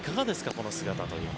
この姿というのは。